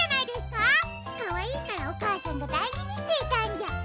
かわいいからおかあさんがだいじにしていたんじゃ。